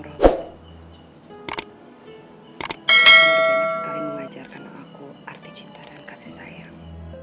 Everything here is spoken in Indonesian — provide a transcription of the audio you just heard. banyak sekali mengajarkan aku arti cinta dan kasih sayang